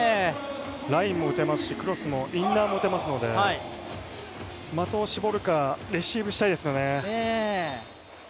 ラインも打てますし、クロスもインナーも打てますので的を絞るか、レシーブしたいですよね。